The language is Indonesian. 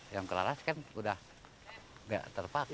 yang keras kan udah nggak terpakai